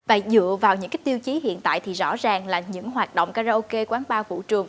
và dựa vào những cái tiêu chí hiện tại thì rõ ràng là những hoạt động karaoke quán bar vũ trường